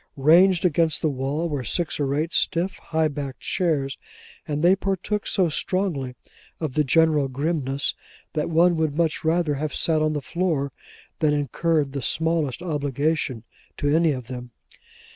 Ranged against the wall were six or eight stiff, high backed chairs, and they partook so strongly of the general grimness that one would much rather have sat on the floor than incurred the smallest obligation to any of them.